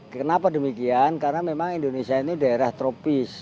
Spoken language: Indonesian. kenapa demikian karena memang indonesia ini daerah tropis